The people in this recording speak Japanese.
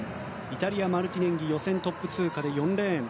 イタリア、マルティネンギ予選トップ通過で４レーン。